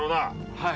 はい。